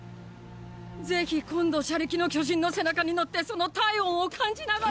ぜひ今度車力の巨人の背中に乗ってその体温を感じながら！